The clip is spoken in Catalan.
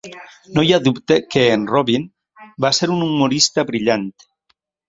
No hi ha dubte que en Robin va ser un humorista brillant.